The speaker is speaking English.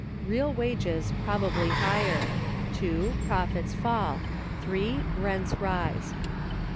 Real wages, probably higher. (2.) Profits fall. (3.) Rents rise.